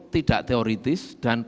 tidak teoritis dan